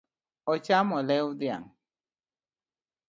Ochamo lew dhiang’